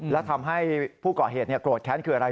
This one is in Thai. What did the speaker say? และทำให้ผู้ก่อเหตุโกรธแค้นคืออะไร